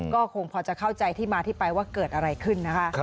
ก็คงพอจะเข้าใจที่มาที่ไปว่าเกิดอะไรขึ้นนะคะ